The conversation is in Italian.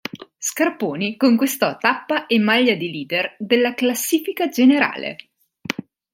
Scarponi conquistò tappa e maglia di leader della classifica generale.